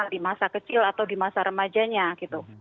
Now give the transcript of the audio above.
di masa kecil atau di masa remajanya gitu